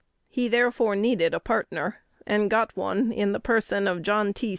He therefore needed a partner, and got one in the person of John T.